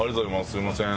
すみません。